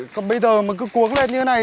còn bây giờ cứ cuốn lên như thế này